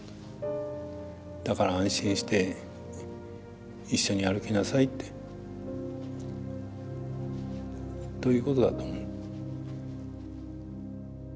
だから安心して一緒に歩きなさいってということだと思う。